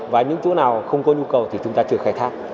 và những chỗ nào không có nhu cầu thì chúng ta chưa khai thác